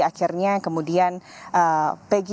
dan akhirnya kemudian peggy ini dikembangkan dan dikembangkan